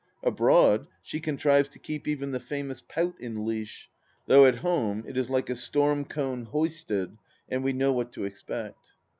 Abroad, she contrives to keep even the famous pout in leash, though at home it is like a storm cone hoisted, and we know what to expect.